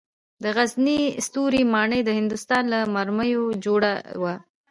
د غزني ستوري ماڼۍ د هندوستان له مرمرو جوړه وه